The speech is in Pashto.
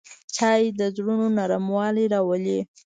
چای د زړونو نرموالی راولي